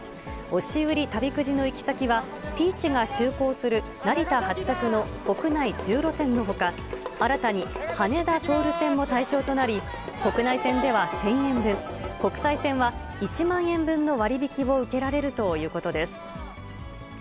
押売り旅くじの行き先は、Ｐｅａｃｈが就航する成田発着の国内１０路線のほか、新たに羽田・ソウル線も対象となり、国内線では１０００円分、国際線は１万円分の割引を受けられるということです。